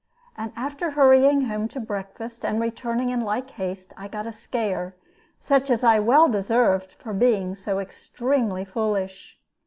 And after hurrying home to breakfast and returning in like haste, I got a scare, such as I well deserved, for being so extremely foolish.